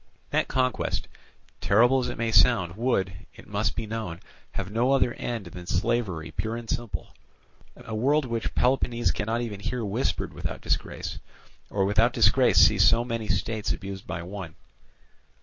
That conquest, terrible as it may sound, would, it must be known, have no other end than slavery pure and simple; a word which Peloponnese cannot even hear whispered without disgrace, or without disgrace see so many states abused by one.